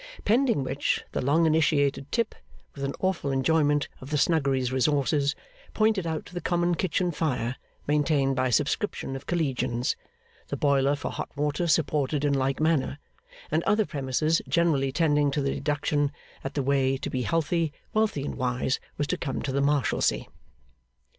Pending which, the long initiated Tip, with an awful enjoyment of the Snuggery's resources, pointed out the common kitchen fire maintained by subscription of collegians, the boiler for hot water supported in like manner, and other premises generally tending to the deduction that the way to be healthy, wealthy, and wise, was to come to the Marshalsea.